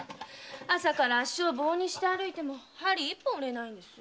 朝から足を棒にして歩いても針一本売れないんですよ。